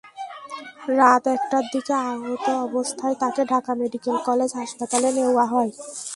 রাত একটার দিকে আহত অবস্থায় তাঁকে ঢাকা মেডিকেল কলেজ হাসপাতালে নেওয়া হয়।